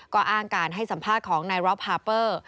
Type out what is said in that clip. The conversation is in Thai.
ก็อ้างการให้สัมภาษณ์ของนายรอปฮาเปอร์